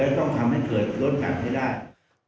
และต้องทำให้เกิดรถแข็งได้ได้